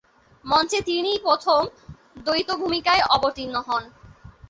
মঞ্চে তিনিই প্রথম দ্বৈত ভূমিকায় অবতীর্ণ হন।